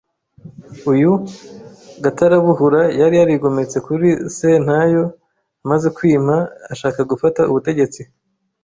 Uyu Gatarabuhura yari yarigometse kuri Sentayo amaze kwima ashaka gufata ubutegetsi